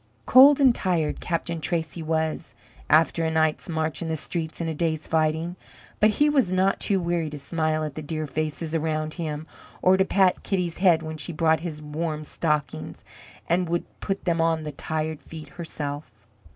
Cold and tired Captain Tracy was, after a night's march in the streets and a day's fighting; but he was not too weary to smile at the dear faces around him, or to pat Kitty's head when she brought his warm stockings and would put them on the tired feet, herself.